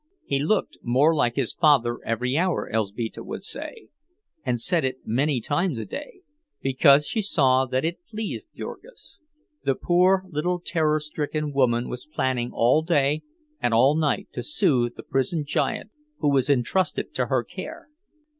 He looked more like his father every hour, Elzbieta would say, and said it many times a day, because she saw that it pleased Jurgis; the poor little terror stricken woman was planning all day and all night to soothe the prisoned giant who was intrusted to her care.